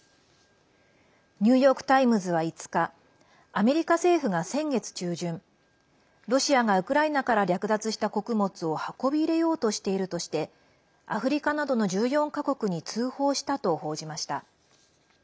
ニューヨーク・タイムズは５日アメリカ政府が先月中旬ロシアがウクライナから略奪した穀物を運び入れようとしているとしてアフリカなどの１４か国に通報したと報じました。